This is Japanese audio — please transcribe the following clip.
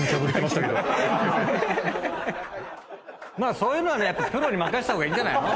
そういうのはプロに任せた方がいいんじゃないの？